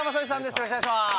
よろしくお願いします。